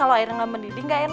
aku mau ke tempat yang lebih baik